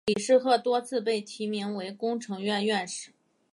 李世鹤多次被提名为工程院院士。